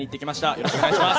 よろしくお願いします。